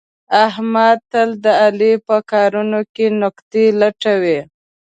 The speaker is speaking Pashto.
احمد تل د علي په کارونو کې نکتې لټوي.